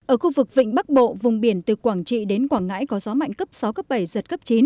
ở khu vực vịnh bắc bộ vùng biển từ quảng trị đến quảng ngãi có gió mạnh cấp sáu cấp bảy giật cấp chín